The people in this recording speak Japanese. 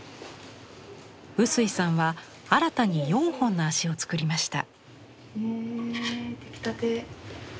臼井さんは新たに４本の足を作りました。